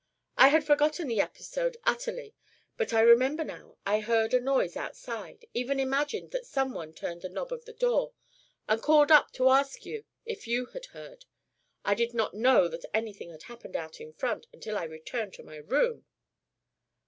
I had forgotten the episode utterly, but I remember now, I heard a noise outside, even imagined that some one turned the knob of the door, and called up to ask you if you also had heard. I did not know that anything had happened out in front until I returned to my room."